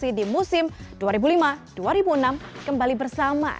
yang membuat ekspung gawat chelsea di musim dua ribu lima dua ribu enam kembali bersama